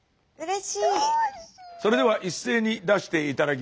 それでは一斉に出して頂きましょう。